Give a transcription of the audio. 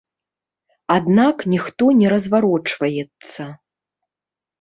Аднак ніхто не разварочваецца.